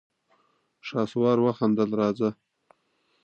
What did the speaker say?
شهسوار وخندل: راځه!